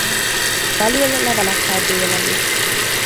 Belül levelekkel béleli.